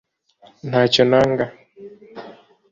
ntacyo nanga